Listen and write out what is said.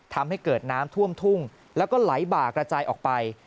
ทำให้เกิดน้ำท่วมทุ่งแล้วก็ไหลบ่ากระจายออกไป